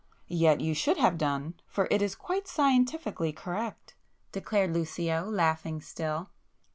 "Yet you should have done, for it is quite scientifically correct,"—declared Lucio laughing still.